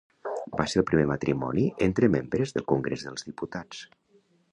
Va ser el primer matrimoni entre membres del Congrés dels Diputats.